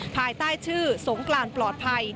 ภายใต้ชื่อสงกรานปลอดภัย